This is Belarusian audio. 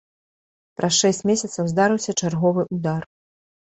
Праз шэсць месяцаў здарыўся чарговы ўдар.